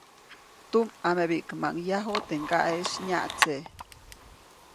Tumʼamebiʼkmaʼuŋ yaju teʼ ŋgaʼeʼis nyaʼtse.